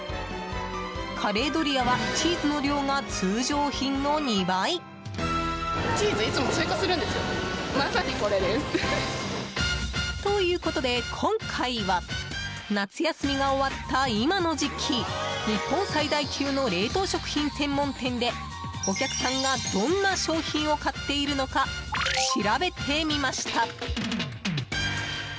カレードリアはチーズの量が通常品の２倍。ということで今回は夏休みが終わった今の時期日本最大級の冷凍食品専門店でお客さんがどんな商品を買っているのか調べてみました。